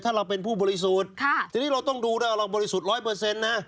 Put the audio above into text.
ถ้าเราเป็นผู้บริสูจน์ทีนี้เราต้องดูด้วยเราบริสูจน์๑๐๐นะ